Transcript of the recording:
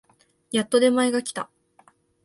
やっと出前が来た